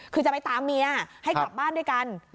คือจะไปตามเมียให้กลับบ้านด้วยกัน